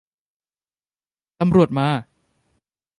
ตำรวจมา !